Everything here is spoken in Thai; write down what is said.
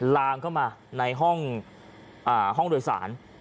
ลามเข้ามาในห้องโดยสาร